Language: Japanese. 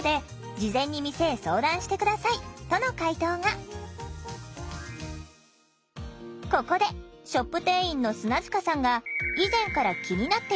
ここでショップ店員の砂塚さんが以前から気になっていたことを質問。